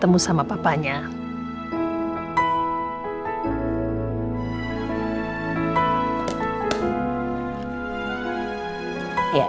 ternyata karena ada mama